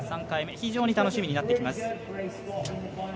３回目非常に楽しみになってきます。